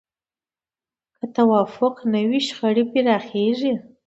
که توافق نه وي، شخړې پراخېږي.